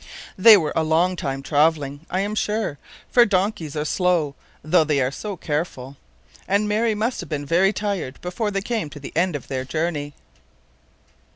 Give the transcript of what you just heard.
They were a long time traveling, I am sure; for donkeys are slow, though they are so careful, and Mary must have been very tired before they came to the end of their journey.